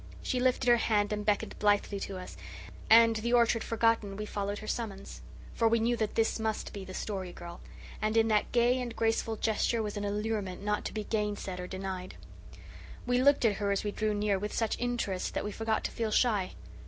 She lifted her hand and beckoned blithely to us; and, the orchard forgotten, we followed her summons. For we knew that this must be the Story Girl; and in that gay and graceful gesture was an allurement not to be gainsaid or denied. We looked at her as we drew near with such interest that we forgot to feel shy.